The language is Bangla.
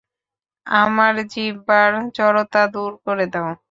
আমার জিহ্বার জড়তা দূর করে দাও।